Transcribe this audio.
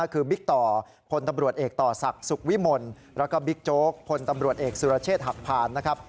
คือบิ๊กต่อพลตำรวจเอกต่อศักดิ์สุขวิมลแล้วก็บิ๊กโจ๊กพลตำรวจเอกสุรเชษฐ์หักพานนะครับ